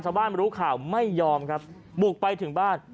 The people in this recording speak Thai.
รู้ข่าวไม่ยอมครับบุกไปถึงบ้าน